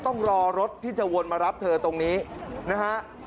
ต้องรอรถที่จะวนมารับเธอตรงนี้นะฮะ